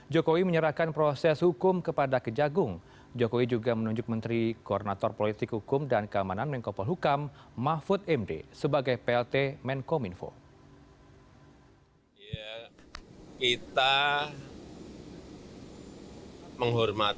jokowi menyerahkan proses hukum kepada kejagung jokowi juga menunjuk menteri koordinator politik hukum dan keamanan menkopol hukam mahfud md sebagai plt menkominfo